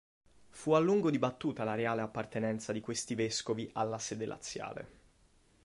Fu a lungo dibattuta la reale appartenenza di questi vescovi alla sede laziale.